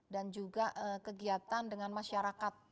dan juga kegiatan dengan masyarakat